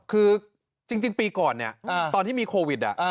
คือจริงปีก่อนเนี่ยตอนที่มีโควิด